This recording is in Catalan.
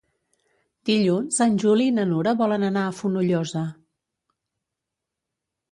Dilluns en Juli i na Nura volen anar a Fonollosa.